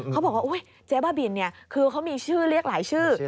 เขาบอกว่าเจ๊บ้าบินคือเขามีชื่อเรียกหลายชื่อ